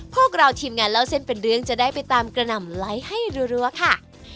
พวกเราทีมงานเล่าเส้นเป็นเรื่องจะได้ไปตามกระหน่ำไลค์ให้รัวค่ะ